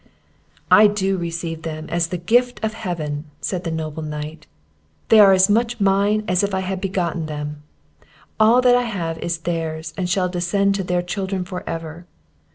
"I do receive them as the gift of Heaven!" said the noble knight; "they are as much mine as if I had begotten them: all that I have is theirs, and shall descend to their children for ever."